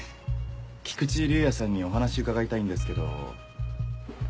菊池竜哉さんにお話伺いたいんですけど。